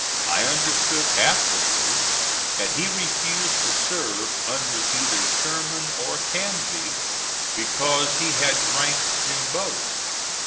I understood afterwards that he refused to serve under either Sherman or Canby because he had ranked them both.